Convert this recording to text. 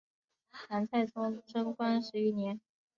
唐太宗贞观十一年。